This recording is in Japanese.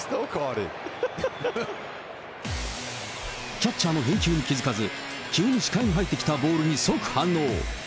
キャッチャーの返球に気付かず、急に視界に入ってきたボールに即反応。